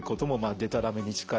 でたらめに近い？